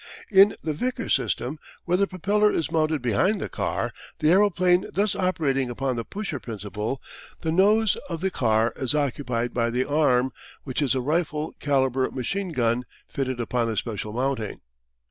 In the Vickers system, where the propeller is mounted behind the car, the aeroplane thus operating upon the pusher principle, the nose of the car is occupied by the arm, which is a rifle calibre machine gun fitted upon a special mounting.